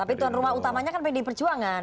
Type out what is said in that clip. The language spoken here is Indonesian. tapi tuan rumah utamanya kan pdi perjuangan